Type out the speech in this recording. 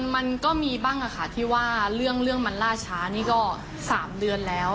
มันก็มีบ้างค่ะที่ว่าเรื่องมันล่าช้านี่ก็๓เดือนแล้ว